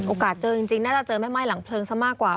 เจอจริงน่าจะเจอแม่ไหม้หลังเพลิงซะมากกว่า